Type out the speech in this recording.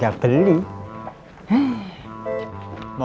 serbert shosh ajak